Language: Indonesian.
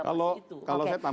kalau saya tambahkan